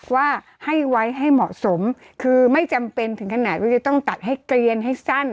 ว่าให้ไว้ให้เหมาะสมคือไม่จำเป็นถึงขนาดว่าจะต้องตัดให้เกลียนให้สั้น